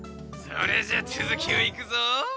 それじゃあつづきをいくぞ。